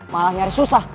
malah nyaris susah